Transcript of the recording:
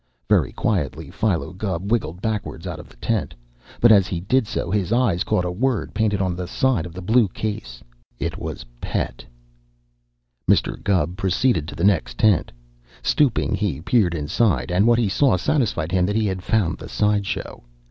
Very quietly Philo Gubb wiggled backward out of the tent, but as he did so his eyes caught a word painted on the side of the blue case. It was "Pet"! Mr. Gubb proceeded to the next tent. Stooping, he peered inside, and what he saw satisfied him that he had found the side show.